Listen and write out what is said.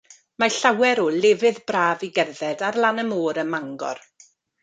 Mae llawer o lefydd braf i gerdded ar lan y môr ym Mangor.